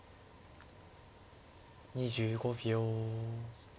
２５秒。